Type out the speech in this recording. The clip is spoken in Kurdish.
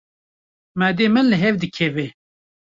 Madê min li hev dikeve.